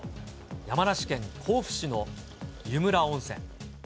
山梨県甲府市の湯村温泉。